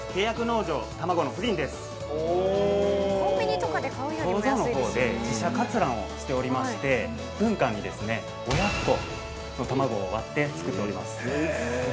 工場のほうで自社割卵をしておりまして１分間に５００個の卵を割って作っております。